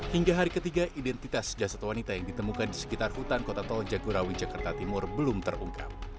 hingga hari ketiga identitas jasad wanita yang ditemukan di sekitar hutan kota tol jagorawi jakarta timur belum terungkap